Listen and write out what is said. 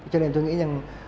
cho nên tôi nghĩ rằng